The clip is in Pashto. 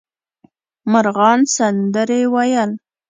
مرغان سندرې ویل.